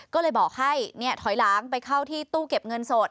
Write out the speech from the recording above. ก็เลยบอกให้ถอยหลังไปเข้าที่ตู้เก็บเงินสด